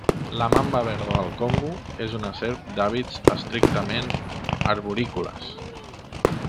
La mamba verda del Congo és una serp d'hàbits estrictament arborícoles.